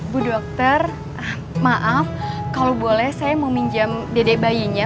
bu dokter maaf kalau boleh saya meminjam dede bayinya